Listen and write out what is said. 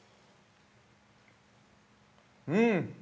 うん。